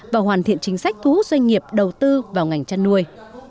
và hoàn thiện chính sách thu hút doanh nghiệp đầu tư vào ngành chăn nuôi